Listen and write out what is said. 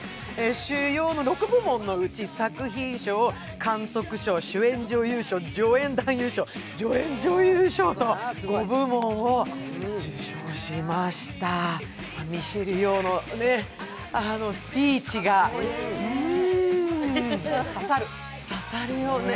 主要の６部門のうち作品賞、監督賞、主演女優賞、助演男優賞、助演女優賞と５部門を受賞しましたミシェル・ヨーのあのスピーチが刺さるよね。